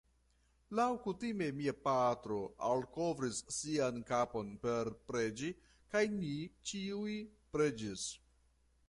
Laŭkutime mia patro malkovris sian kapon por preĝi, kaj ni ĉiuj preĝis.